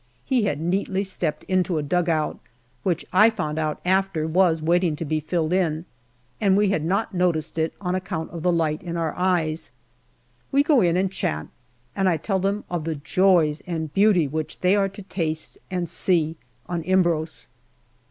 He had neatly stepped into a dugout, 15 " 226 GALLIPOLI DIARY which, I found out after, was waiting to be filled in, and we had not noticed it on account of the light in our eyes. We go in and chat, and I tell them of the joys and beauty which they are to taste and see on Imbros.